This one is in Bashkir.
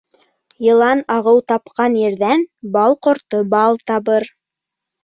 Йылан ағыу тапҡан ерҙән бал ҡорто бал табыр.